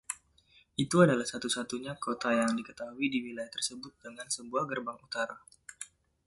Itu adalah satu-satunya kota yang diketahui di wilayah tersebut dengan sebuah gerbang utara.